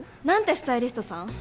何てスタイリストさん？